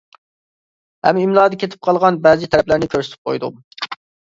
ھەم ئىملادا كېتىپ قالغان بەزى تەرەپلەرنى كۆرسىتىپ قويدۇم.